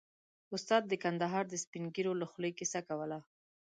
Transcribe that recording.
استاد د کندهار د سپين ږيرو له خولې کيسه کوله.